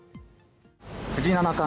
藤井七冠